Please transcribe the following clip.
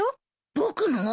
僕の？